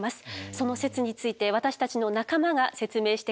その説について私たちの仲間が説明してくれます。